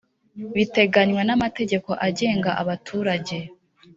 biteganywa n amategeko agenga abaturage